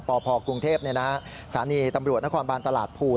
พพกรุงเทพสถานีตำรวจนครบานตลาดภูน